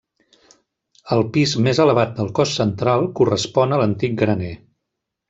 El pis més elevat del cos central correspon a l'antic graner.